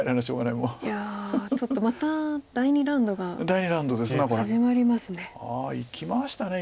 いやちょっとまた第２ラウンドが始まりますね。